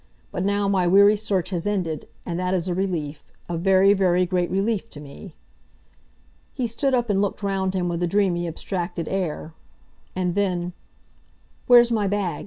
But now my weary search has ended, and that is a relief—a very, very great relief to me!" He stood up and looked round him with a dreamy, abstracted air. And then, "Where's my bag?"